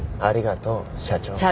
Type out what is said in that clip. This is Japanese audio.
ありがとう社長。